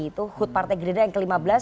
itu hut partai gerindra yang ke lima belas